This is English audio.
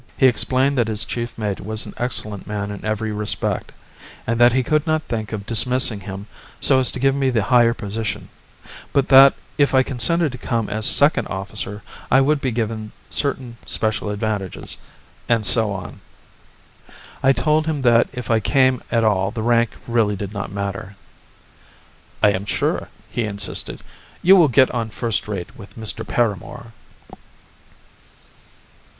He explained that his chief mate was an excellent man in every respect and that he could not think of dismissing him so as to give me the higher position; but that if I consented to come as second officer I would be given certain special advantages and so on. I told him that if I came at all the rank really did not matter. "I am sure," he insisted, "you will get on first rate with Mr. Paramor."